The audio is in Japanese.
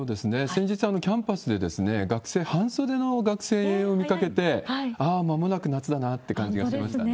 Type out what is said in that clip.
先日、キャンパスで学生、半袖の学生を見かけて、ああ、まもなく夏だなって感じがしましたね。